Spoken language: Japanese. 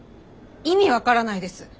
意味分からないです。